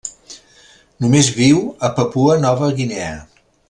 Només viu a Papua Nova Guinea.